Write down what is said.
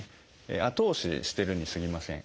後押ししてるにすぎません。